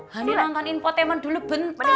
hani nonton infotainment dulu bentar aja mak